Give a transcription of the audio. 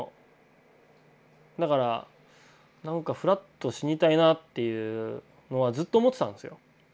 だからなんかふらっと死にたいなっていうのはずっと思ってたんですよ。